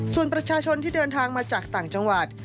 ส่วนประชาชนที่เดินทางมาจากต่างจังหวัด